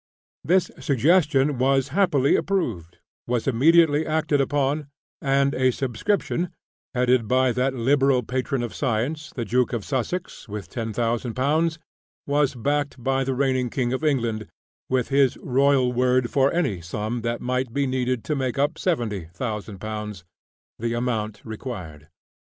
The suggestion, thus happily approved, was immediately acted upon, and a subscription, headed by that liberal patron of science, the Duke of Sussex, with £10,000, was backed by the reigning King of England with his royal word for any sum that might be needed to make up £70,000, the amount required.